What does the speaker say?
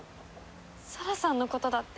沙羅さんのことだって。